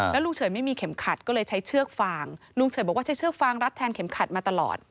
แล้วลุงเฉยไม่มีเข็มขัดก็เลยใช้เชือกฟางลุงเฉยบอกว่าใช้เชือกฟางรัดแทนเข็มขัดมาตลอด